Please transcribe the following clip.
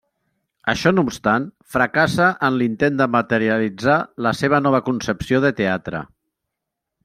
Això no obstant, fracassa en l'intent de materialitzar la seva nova concepció de teatre.